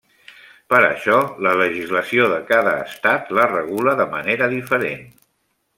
Per això, la legislació de cada estat la regula de manera diferent.